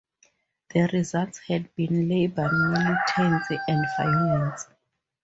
The results had been labour militancy and violence.